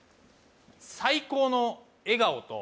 最高の笑顔と？